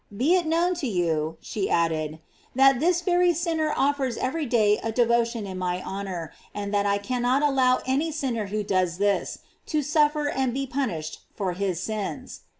Be it known to you," she added, "that this very sinner offers every day a devo tion in my honor, and that I cannot allow any sinner who does this, to suffer and be punished for his sins."